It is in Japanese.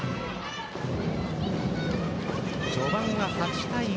序盤は８対５。